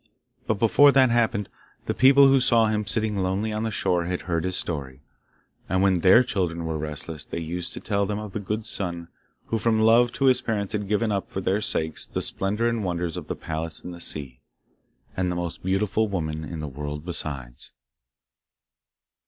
But before that happened, the people who saw him sitting lonely on the shore had heard his story, and when their children were restless they used to tell them of the good son who from love to his parents had given up for their sakes the splendour and wonders of the palace in the sea, and the most beautiful woman in the world besides.